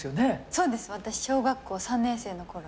そうです私小学校３年生のころに。